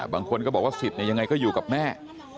บางคนก็บอกว่าสิทธิ์ยังไงก็อยู่กับแม่